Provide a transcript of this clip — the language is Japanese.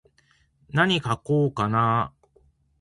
なに書こうかなー。